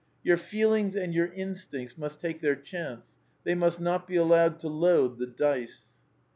Your feelings and your instincts must take their chance. They must not be allowed to load the dice.'